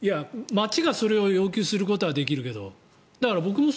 町がそれを要求することはできるけど。